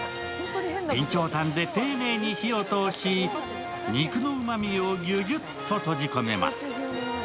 備長炭で丁寧に火を通し、肉のうまみをギュギュッと閉じ込めます。